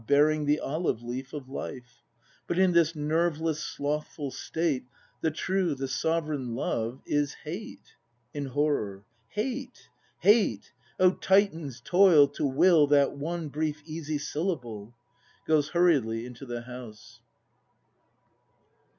Bearing the olive leaf of life: But in this nerveless, slothful state. The true, the sovereign Love is — Hate! [hi horror.] Hate! Hate! O Titan's toil, to will That one brief easy syllable! [Goes hurriedly into the house.